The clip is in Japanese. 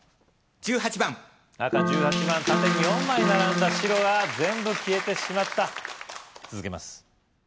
１８番赤１８番縦に４枚並んだ白が全部消えてしまった続けます